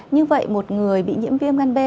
như vậy một người bị nhiễm viêm gan b